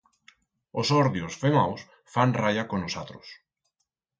Os hordios femaus fan raya con os atros.